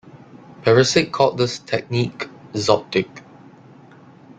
Perisic called this technique "Zoptic".